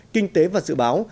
kinh tế và dự báo